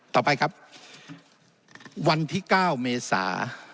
ต่อไปครับวันที่๙เมษา